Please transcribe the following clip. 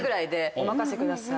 お任せください。